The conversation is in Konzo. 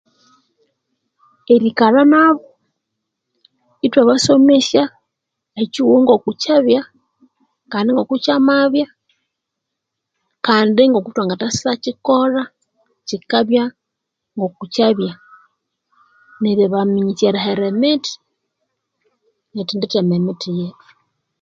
Erikalha nabo ithwabasomesya ekyihughu ngoku Kyabya kandi kukyamabya kandi ngokuthwangasakyikolha kyikabya ngoku kyabya neribaminyisya erihera emithi nerithendithema emithi yethu